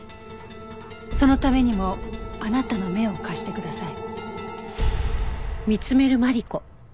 そのためにもあなたの目を貸してください。